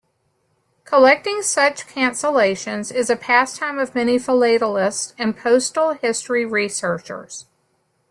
Collecting such cancellations is a pastime of many philatelists and postal history researchers.